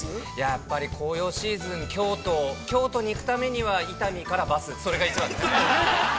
◆やっぱり、紅葉シーズン、京都京都に行くためには伊丹からバス、それが一番ですね。